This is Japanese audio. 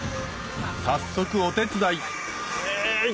早速お手伝いえい！